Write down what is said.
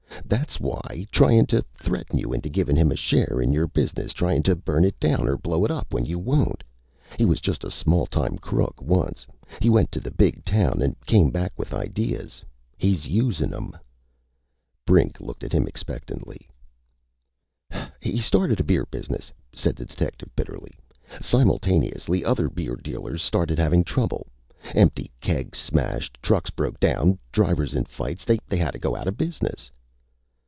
"That's why! Tryin' to threaten you into givin' him a share in your business! Tryin' to burn it down or blow it up when you won't! He was just a small town crook, once. He went to the big town an' came back with ideas. He's usin' 'em!" Brink looked at him expectantly. "He started a beer business," said the detective bitterly. "Simultaneous other beer dealers started havin' trouble. Empty kegs smashed. Trucks broke down. Drivers in fights. They hadda go outta business!"